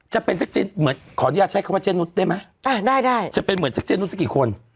จะเป็นแสดงขออนุญาตใช้เทดนุษฎ์ได้ไหมอ่ะได้จะเป็นเหมือนแสดงนุษฎกี่คน